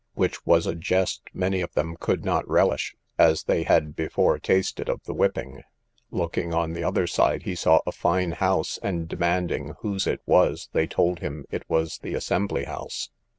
which was a jest many of them could not relish, as they had before tasted of the whipping; looking on the other side, he saw a fine house, and demanding whose it was, they told him it was the assembly house.